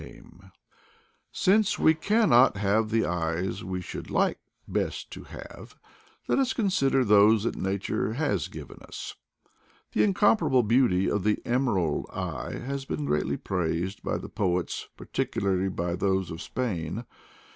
190 IDLE DAYS IN PATAGONIA Since we cannot have the eyes we should like best to have, let us consider those that Nature has given us. The incomparable beauty of the "emerald eye" has been greatly praised by the poets, particularly by those of Spain.